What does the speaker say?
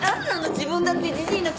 自分だってジジイのくせに！